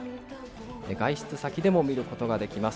外出先でも見ることができます。